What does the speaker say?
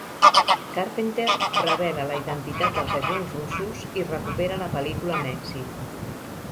Carpenter rebel·la la identitat dels agents russos i recupera la pel·lícula amb èxit.